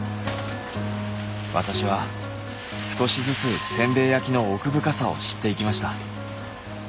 私は少しずつせんべい焼きの奥深さを知っていきました。